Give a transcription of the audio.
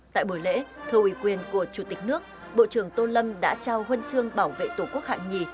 tại buổi lễ thu ủy quyền của chủ tịch nước bộ trưởng tô lâm đã trao huân chương bảo vệ tổ quốc hạng nhì